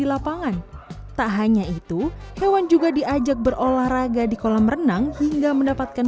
di lapangan tak hanya itu hewan juga diajak berolahraga di kolam renang hingga mendapatkan